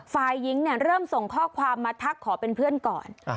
ฝ่ายหญิงเริ่มส่งข้อความมาทักขอเป็นเพื่อนก่อน